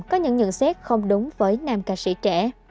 có những nhận xét không đúng với nam ca sĩ trẻ